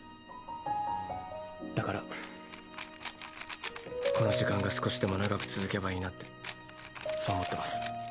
だからこの時間が少しでも長く続けばいいなってそう思ってます。